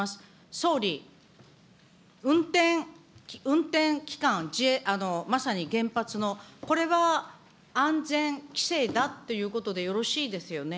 総理、運転、運転期間、まさに原発の、これは安全規制だということでよろしいですよね。